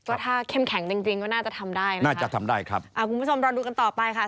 ว่าถ้าเข้มแข็งจริงก็น่าจะทำได้นะครับคุณผู้ชมรอดูกันต่อไปค่ะ